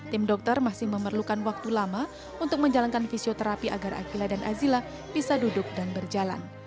tim dokter masih memerlukan waktu lama untuk menjalankan fisioterapi agar akila dan azila bisa duduk dan berjalan